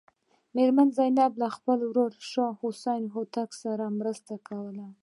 میرمن زینب له خپل ورور شاه حسین هوتک سره مرسته کوله.